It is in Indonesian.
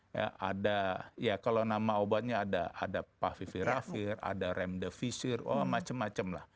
ya ada ya kalau nama obatnya ada paviviravir ada remdesivir oh macem macem lah